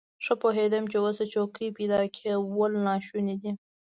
ښه پوهېدم چې اوس د څوکۍ پيدا کول ناشوني دي.